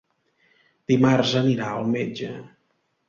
Dimarts anirà al metge.